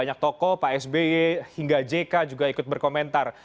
banyak tokoh pak sby hingga jk juga ikut berkomentar